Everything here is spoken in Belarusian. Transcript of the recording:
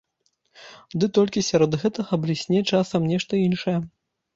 Ды толькі сярод гэтага блісне часам нешта іншае.